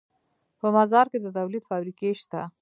په مزار کې د تولید فابریکې شته